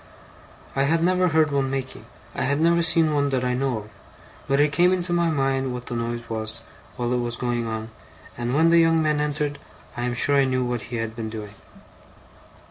I had never heard one making; I had never seen one that I know of. but it came into my mind what the noise was, while it was going on; and when the young man entered, I am sure I knew what he had been doing.